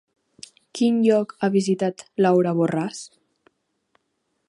Quin lloc ha visitat Laura Borràs?